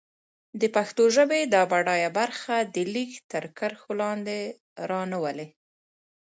د پښتو ژبې دا بډايه برخه د ليک تر کرښو لاندې را نه ولي.